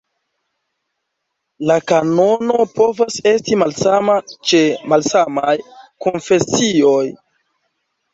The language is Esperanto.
La kanono povas esti malsama ĉe malsamaj konfesioj.